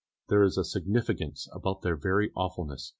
There is a significance about their very awfulness.